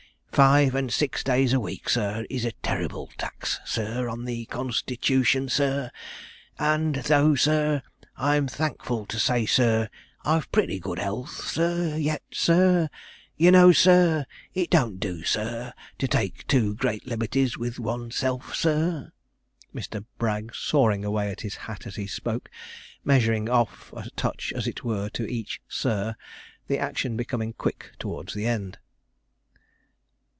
Five and six days a week, sir, is a terrible tax, sir, on the constitution, sir; and though, sir, I'm thankful to say, sir, I've pretty good 'ealth, sir, yet, sir, you know, sir, it don't do, sir, to take too great liberties with oneself, sir'; Mr. Bragg sawing away at his hat as he spoke, measuring off a touch, as it were, to each 'sir,' the action becoming quick towards the end.